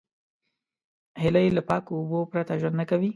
هیلۍ له پاکو اوبو پرته ژوند نه کوي